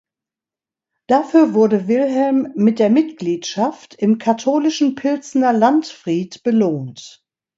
Dafür wurde Wilhelm mit der Mitgliedschaft im katholischen Pilsner Landfried belohnt.